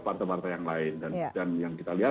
partai partai yang lain dan yang kita lihat